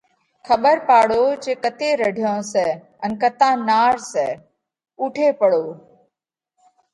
کٻر پاڙو جي ڪتي رڍيون سئہ ان ڪتا نار سئہ؟ اُوٺي پڙو،